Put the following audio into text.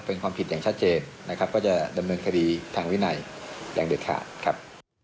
เป็นความผิดอย่างชัดเจนนะครับก็จะดำเนินคดีทางวินัยอย่างเด็ดขาดครับ